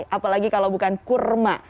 apalagi kalau bukan kurma